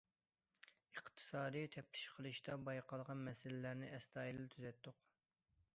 ئىقتىسادىي تەپتىش قىلىشتا بايقالغان مەسىلىلەرنى ئەستايىدىل تۈزەتتۇق.